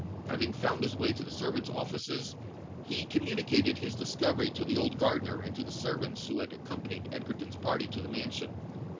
Having found his way to the servants' offices, he communicated his discovery to the old gardener and to the servants who had accompanied Egerton's party to the mansion.